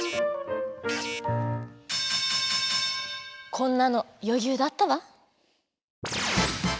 こんなのよゆうだったわ。